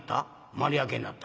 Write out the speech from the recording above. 丸焼けになった？